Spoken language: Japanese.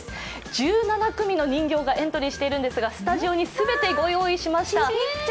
１７組の人形がエントリーしているんですがスタジオに全てご用意しました。